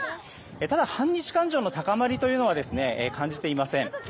ただ、反日感情の高まりは感じていません。